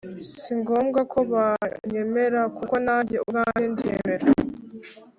Singombwa ko banyemera kuko nanjye ubwanjye ndiyemera